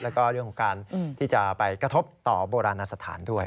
แล้วก็เรื่องของการที่จะไปกระทบต่อโบราณสถานด้วย